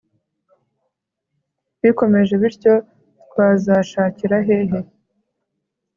bikomeje bityo twazashakira hehe